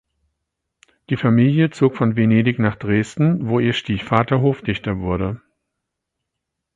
Die Familie zog von Venedig nach Dresden, wo ihr Stiefvater Hofdichter wurde.